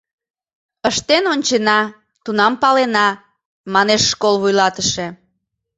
Ыштен ончена, тунам палена, — манеш школ вуйлатыше.